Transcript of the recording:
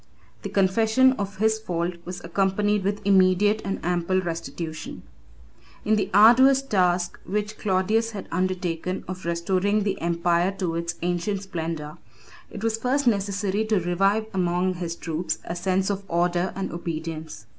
The confession of his fault was accompanied with immediate and ample restitution. 9 9 (return) [ Zonaras, l. xii. p. 137.] In the arduous task which Claudius had undertaken, of restoring the empire to its ancient splendor, it was first necessary to revive among his troops a sense of order and obedience.